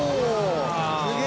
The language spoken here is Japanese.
すげえ！